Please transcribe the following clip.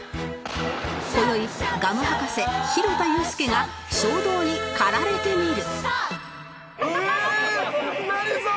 今宵ガム博士弘田裕介が衝動に駆られてみる